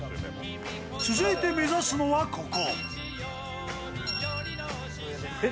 続いて目指すのは、ここ。